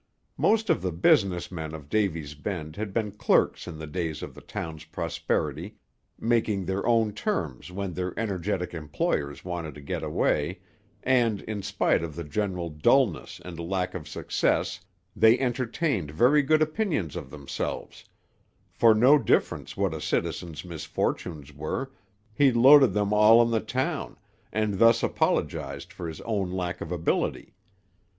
Most of the business men of Davy's Bend had been clerks in the days of the town's prosperity, making their own terms when their energetic employers wanted to get away, and in spite of the general dullness and lack of success, they entertained very good opinions of themselves; for no difference what a citizen's misfortunes were, he loaded them all on the town, and thus apologized for his own lack of ability.